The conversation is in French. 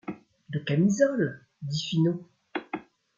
De camisoles ! dit Finot.